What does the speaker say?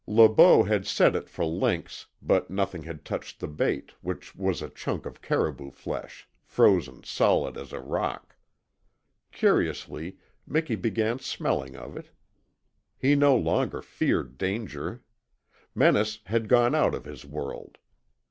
Le Beau had set it for lynx, but nothing had touched the bait, which was a chunk of caribou flesh, frozen solid as a rock. Curiously Miki began smelling of it. He no longer feared danger. Menace had gone out of his world.